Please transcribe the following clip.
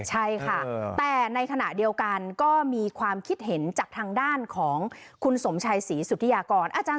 ใช่ค่ะแต่ในขณะเดียวกันก็มีความคิดเห็นจากทางด้านของคุณสมชัยศรีสุธิยากร